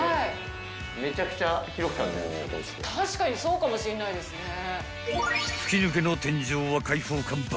確かにそうかもしんないですね。